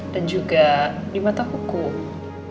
dan juga di mata hukum